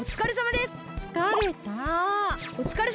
つかれた。